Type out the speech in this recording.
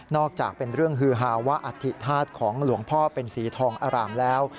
จากเป็นเรื่องฮือฮาว่าอธิธาตุของหลวงพ่อเป็นสีทองอารามแล้ว